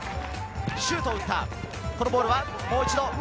シュートを打った、このボールはもう一度。